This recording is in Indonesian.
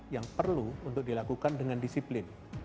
yang perlu untuk dilakukan dengan disiplin